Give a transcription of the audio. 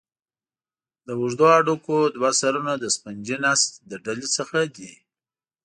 د اوږدو هډوکو دوه سرونه د سفنجي نسج له ډلې څخه دي.